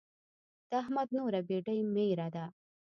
د احمد نوره بېډۍ ميره ده.